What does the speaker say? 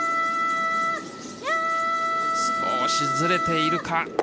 少しずれているか。